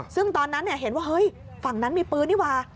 ซึ่งตอนนั้นเห็นว่าเฮ้ยฝั่งนั้นมีปืนนี่ว่ะ